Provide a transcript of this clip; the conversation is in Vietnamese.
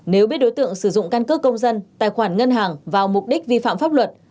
nếu biết đối tượng sử dụng căn cước công dân tài khoản ngân hàng vào mục đích vi phạm pháp luật